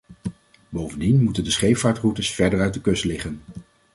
Bovendien moeten de scheepvaartroutes verder uit de kust liggen.